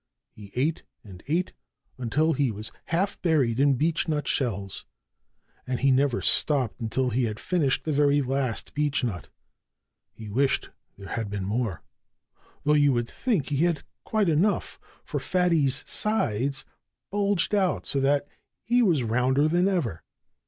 He ate and ate until he was half buried in beechnut shells. And he never stopped until he had finished the very last beechnut. He wished there had been more, though you would think he had had quite enough, for Fatty's sides bulged out so that he was rounder than ever.